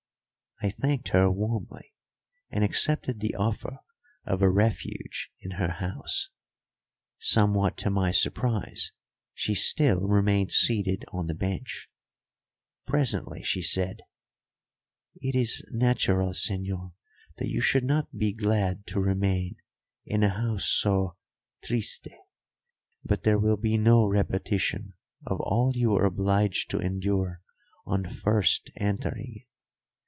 I thanked her warmly and accepted the offer of a refuge in her house. Somewhat to my surprise, she still remained seated on the bench. Presently she said: "It is natural, señor, that you should not be glad to remain in a house so triste. But there will be no repetition of all you were obliged to endure on first entering it.